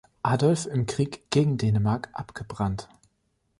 Adolf im Krieg gegen Dänemark abgebrannt.